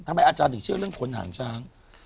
อาจารย์ถึงเชื่อเรื่องผลหางช้าง